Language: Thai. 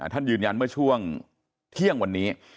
ท่านยืนยันเมื่อช่วงเที่ยงวันนี้